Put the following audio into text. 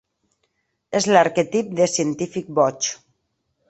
És l'arquetip de científic boig.